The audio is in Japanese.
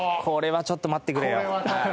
これはちょっと待ってくれよ。